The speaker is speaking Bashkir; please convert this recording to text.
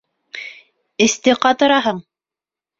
Эсте ҡатыраһың.